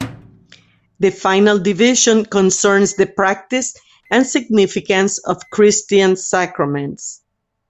The final division concerns the practice and significance of Christian sacraments.